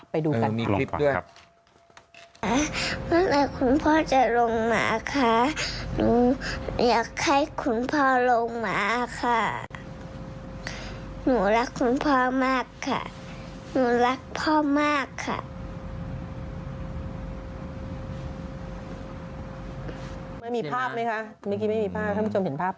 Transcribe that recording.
ไปดูกันมีคลิปด้วยครับ